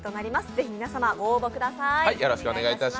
ぜひ皆様、ご応募ください。